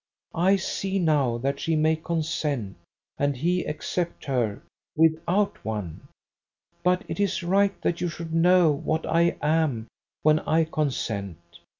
I see now that she may consent, and he accept her, without one. But it is right that you should know what I am when I consent.